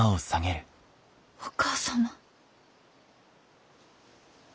お義母様。